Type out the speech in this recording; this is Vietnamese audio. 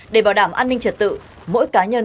để bảo đảm an ninh trật tự mỗi cá nhân